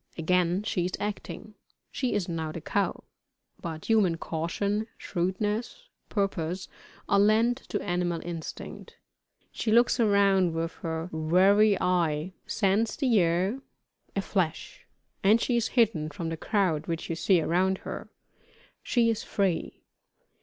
Again she is acting she is now the cow; but human caution, shrewdness, purpose, are lent to animal instinct. She looks around her with wary eye scents the air a flash, and she is hidden from the crowd which you see around her she is free!